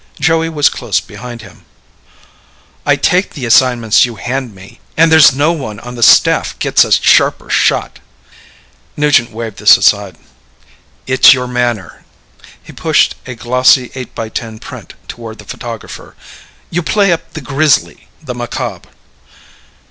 Joey was close behind him. "I take the assignments you hand me. And there's no one on the staff gets a sharper shot." Nugent waved this aside. "It's your manner." He pushed a glossy eight by ten print toward the photographer. "You play up the grisly, the macabre."